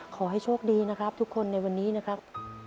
ขอให้โชคดีนะครับทุกคนในวันนี้นะครับ